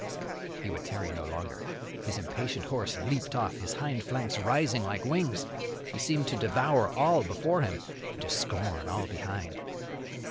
He would tarry no longer. His impatient horse leaped off, his hind flanks rising like wings he seemed to devour all before him and to scorn all behind.